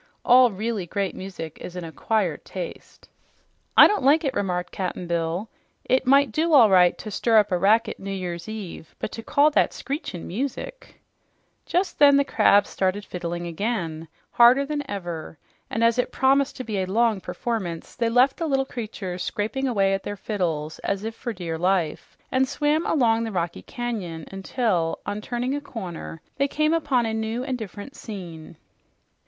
All really great music is an acquired taste." "I don't like it," remarked Cap'n Bill. "It might do all right to stir up a racket New Year's Eve, but to call that screechin' music " Just then the crabs started fiddling again, harder than ever, and as it promised to be a long performance, they left the little creatures scraping away at their fiddles as if for dear life and swam along the rocky canyon until, on turning a corner, they came upon a new and different scene.